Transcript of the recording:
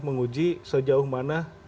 menguji sejauh mana